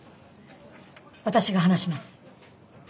私が話します。